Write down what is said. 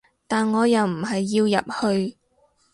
但我又唔係要入去